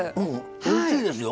おいしいですよ。